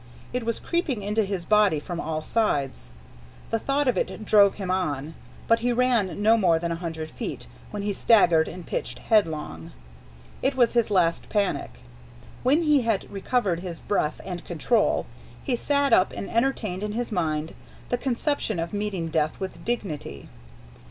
It was creeping into his body from all sides. The thought of it drove him on, but he ran no more than a hundred feet, when he staggered and pitched headlong. It was his last panic. When he had recovered his breath and control, he sat up and entertained in his mind the conception of meeting death with dignity.